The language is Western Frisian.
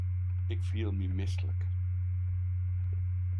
Ik fiel my mislik.